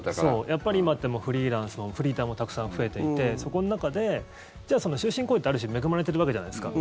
やっぱり今ってフリーランスもフリーターもたくさん増えていてそこの中で終身雇用ってある種恵まれてるわけじゃないですか。